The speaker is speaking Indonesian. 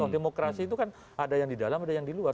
demokrasi itu kan ada yang di dalam ada yang di luar